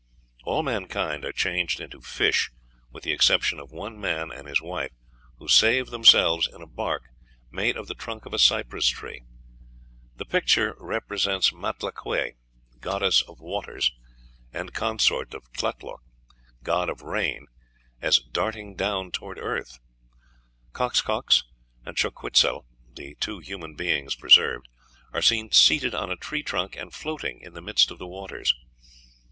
All mankind are changed into fish, with the exception of one man and his wife, who save themselves in a bark made of the trunk of a cypress tree. The picture represents Matlalcueye, goddess of waters, and consort of Tlaloc, god of rain, as darting down toward earth. Coxcox and Xochiquetzal, the two human beings preserved, are seen seated on a tree trunk and floating in the midst of the waters.